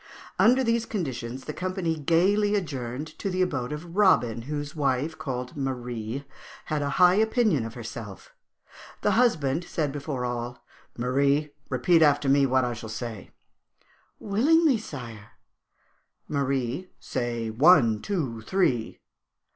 Under these conditions the company gaily adjourned to the abode of Robin, whose wife, called Marie, had a high opinion of herself. The husband said before all, 'Marie, repeat after me what I shall say.' 'Willingly, sire.' 'Marie, say, "One, two, three!"'